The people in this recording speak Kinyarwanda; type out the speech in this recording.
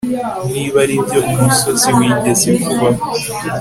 Niba aribyo umusozi wigeze kubaho